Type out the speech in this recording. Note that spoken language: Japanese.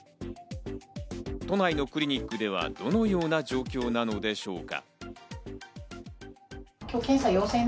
都内のクリニックでは、どのような状況なのでしょうか？